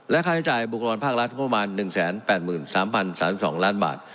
ค่าใช้จ่ายบุคลากรภาครัฐประมาณ๑๘๓๐๓๒ล้านบาท